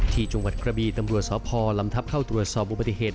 ที่จังหวัดกระบีตำรวจสพลำทัพเข้าตรวจสอบอุบัติเหตุ